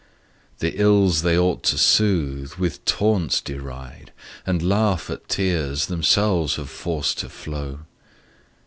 The ills they ought to soothe with taunts deride, And laugh at tears themselves have forced to flow.